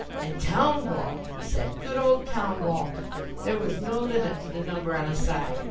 "And town ball," he said, "good old town ball! There was no limit to the number on a side.